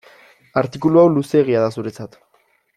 Artikulu hau luzeegia da zuretzat.